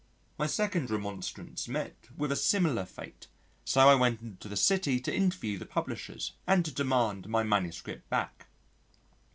My second remonstrance met with a similar fate, so I went into the city to interview the publishers, and to demand my manuscript back.